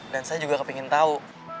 dan saya juga kepengen tahu